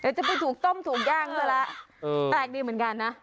เดี๋ยวจะไปถูกต้มถูกย่างเถอะละเออแตกดีเหมือนกันนะ